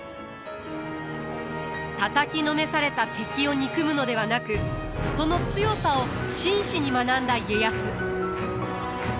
たたきのめされた敵を憎むのではなくその強さを真摯に学んだ家康。